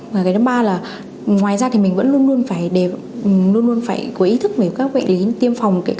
và cái thứ ba là ngoài ra thì mình vẫn luôn luôn phải có ý thức về các bệnh lý tiêm phòng